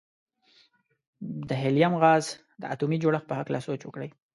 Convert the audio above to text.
د هیلیم غاز د اتومي جوړښت په هکله سوچ وکړئ.